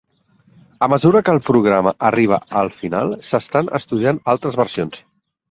A mesura que el programa arriba al final s'estan estudiant altres versions.